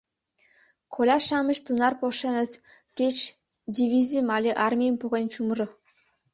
— Коля-шамыч тунар пошеныт, кеч дивизийым але армийым поген чумыро.